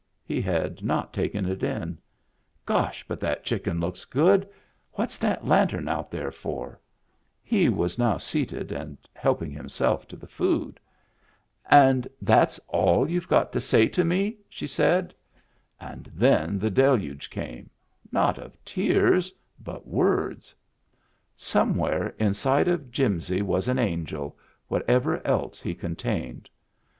He had not taken it in. "Gosh, but that chicken looks good! What's that lantern out there for? " He was now seated and helping himself to the food. Digitized by Google 312 MEMBERS OF THE FAMILY " And that's all you Ve got to say to me !" she saiA And then the deluge came — not of tears, but words. Somewhere inside of Jimsy was an angel, what ever else he contained.